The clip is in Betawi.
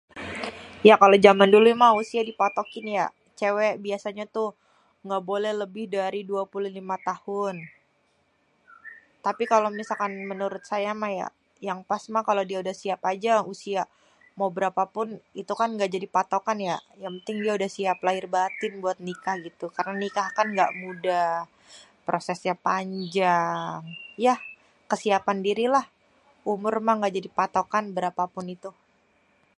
ya kalo jaman dulu mah usia di patokin ya, cewe biasanye tuh, ga boleh lebih dari 25 tahun tapi kalo misalkan menurut saya mah ya yang pas mah kalo dié udéh siap ajé usia mau berapapun itu kan ga jadi patokan ya yang penting dia udéh siap lahir batin buat nikah gitu, karna nikahkan ga mudah, prosesnya panjang, ya kesiapan diri lah, umur mah gajadi patokan berapapun itu.